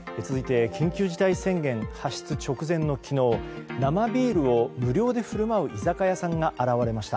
続いて緊急事態宣言発出直前の昨日生ビールを無料で振る舞う居酒屋さんが現れました。